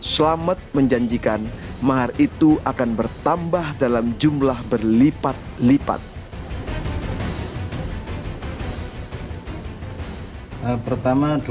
selamet menjanjikan mahar itu akan bertambah dalam jumlah berlipat lipat